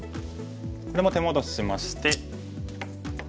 これも手戻ししまして。